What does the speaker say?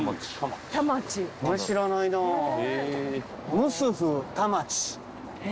ムスフ田町。